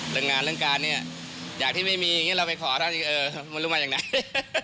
เรื่องงานเรื่องการอยากที่ไม่มีเราไปขอท่านเออไม่รู้มาอย่างไร